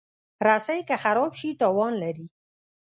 رسۍ که خراب شي، تاوان لري.